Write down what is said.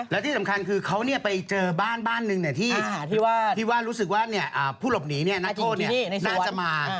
แล้วที่สำคัญคือเขาไปเจอบ้านบ้านหนึ่งที่ว่ารู้สึกว่าผู้หลบหนีนักโทษน่าจะมา